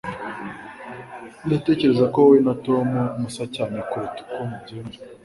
Ndatekereza ko wowe na Tom musa cyane kuruta uko mubyemera.